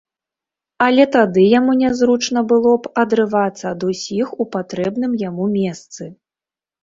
Але тады яму нязручна было б адрывацца ад усіх у патрэбным яму месцы.